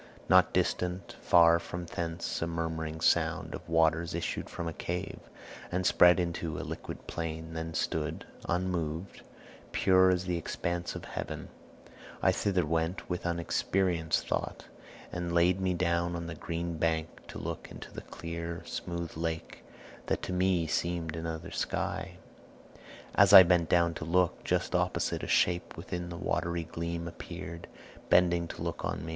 Not distant far from thence a murmuring sound Of waters issued from a cave, and spread Into a liquid plain, then stood unmoved Pure as the expanse of heaven; I thither went With unexperienced thought, and laid me down On the green bank, to look into the clear Smooth lake that to me seemed another sky. As I bent down to look, just opposite A shape within the watery gleam appeared, Bending to look on me.